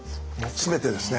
全てですね。